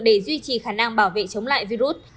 để duy trì khả năng bảo vệ chống lại virus